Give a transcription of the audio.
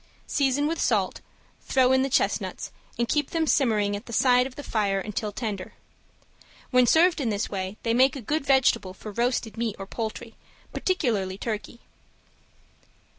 Season with salt, throw in the chestnuts and keep them simmering at the side of the fire until tender. When served in this way they make a good vegetable for roasted meat or poultry, particularly turkey.